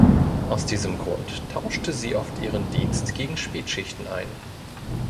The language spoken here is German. Aus diesem Grund tauschte sie oft ihren Dienst gegen Spätschichten ein.